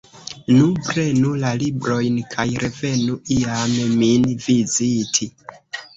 Nu, prenu la librojn kaj revenu iam min viziti.